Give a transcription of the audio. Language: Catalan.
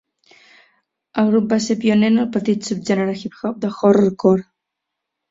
El grup va ser pioner en el petit subgènere hip-hop de horrorcore.